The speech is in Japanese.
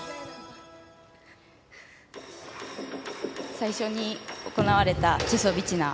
最初に行われたチュソビチナ。